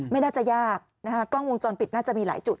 ไม่น่าจะยากนะคะกล้องวงจรปิดน่าจะมีหลายจุด